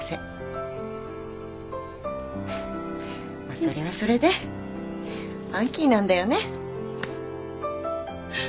まっそれはそれでファンキーなんだよね。